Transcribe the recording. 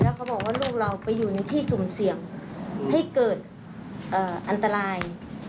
แล้วเขาบอกว่าลูกเราไปอยู่ในที่สุ่มเสี่ยงให้เกิดอันตราย